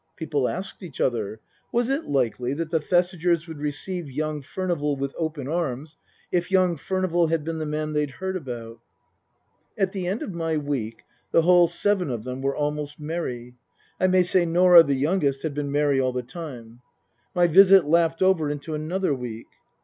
People asked each other : Was it likely that the Thesigers would receive young Furnival with open arms if young Furnival had been the man they'd heard about ? At the end of my week the whole seven of them were almost merry. (I may say Norah, the youngest, had been merry all the time.) My visit lapped over into another week.